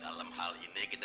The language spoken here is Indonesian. dalam hal ini kita